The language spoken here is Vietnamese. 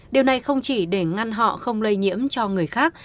điều này không chỉ để ngăn họ không lây nhiễm cho người khác